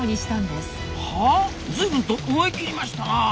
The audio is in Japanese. は随分と思い切りましたなあ。